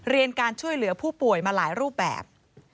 เรียนการช่วยเหลือผู้ป่วยมาหลายรูปแบบ